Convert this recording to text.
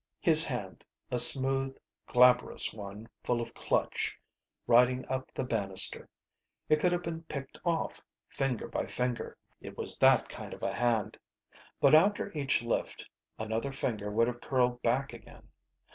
His hand, a smooth glabrous one full of clutch, riding up the banister. It could have been picked off, finger by finger. It was that kind of a hand. But after each lift, another finger would have curled back again.